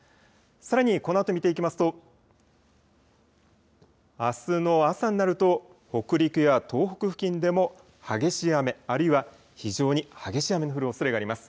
さらに、このあと見ていきますとあすの朝になると北陸や東北付近でも激しい雨、あるいは非常に激しい雨の降るおそれがあります。